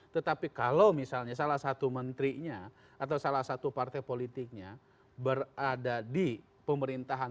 tetapi kalau misalnya salah satu menterinya atau salah satu partai politiknya berada di pemerintahan